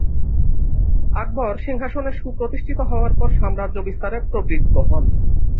আকবর সিংহাসনে সুপ্রতিষ্ঠিত হওয়ার পর সাম্রাজ্য বিস্তারে প্রবৃত্ত হন।